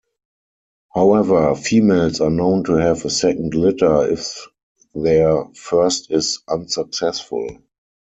However, females are known to have a second litter if their first is unsuccessful.